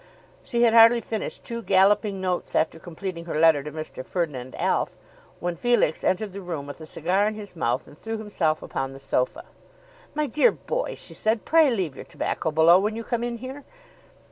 She had hardly finished two galloping notes after completing her letter to Mr. Ferdinand Alf, when Felix entered the room with a cigar in his mouth and threw himself upon the sofa. "My dear boy," she said, "pray leave your tobacco below when you come in here."